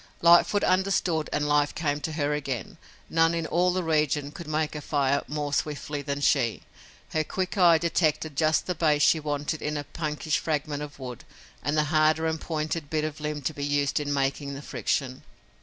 Lightfoot understood and life came to her again. None in all the region could make a fire more swiftly than she. Her quick eye detected just the base she wanted in a punkish fragment of wood and the harder and pointed bit of limb to be used in making the friction.